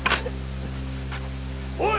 おい！